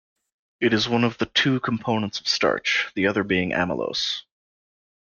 It is one of the two components of starch, the other being amylose.